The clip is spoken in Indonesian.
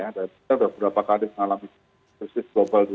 kita sudah beberapa kali mengalami krisis global dua ribu delapan